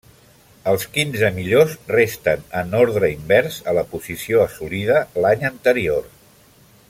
Els quinze millors resten en ordre invers a la posició assolida l'any anterior.